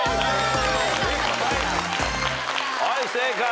はい正解。